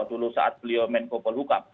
dulu saat beliau menkopol hukum